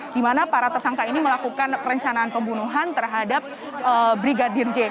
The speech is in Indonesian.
di mana para tersangka ini melakukan perencanaan pembunuhan terhadap brigadir j